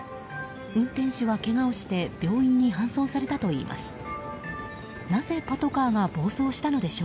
運転手はけがをして病院に搬送されたといいます。